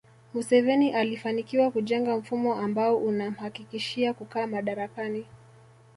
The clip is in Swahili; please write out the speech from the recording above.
Museveni alifanikiwa kujenga mfumo ambao unamhakikishia kukaa madarakani